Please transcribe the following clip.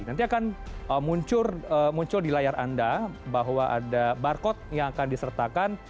nanti akan muncul di layar anda bahwa ada barcode yang akan disertakan